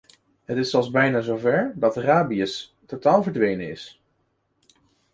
Het is zelfs bijna zover dat rabiës totaal verdwenen is.